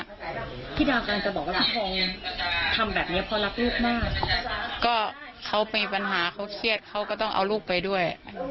พี่ดาวกำลังจะบอกว่าพี่ทงทำแบบนี้เพราะรักลูกมากก็เขามีปัญหาเขาเครียดเขาก็ต้องเอาลูกไปด้วย